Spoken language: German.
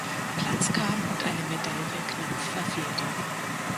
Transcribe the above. Platz kam und eine Medaille knapp verfehlte.